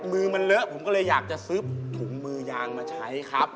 มือมันเลอะผมก็เลยอยากจะซื้อถุงมือยางมาใช้ครับ